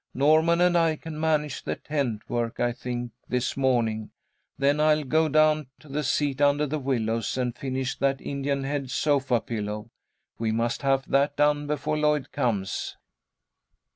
Norman and I can manage the tent work, I think, this morning. Then I'll go down to the seat under the willows, and finish that Indian head sofa pillow. We must have that done before Lloyd comes."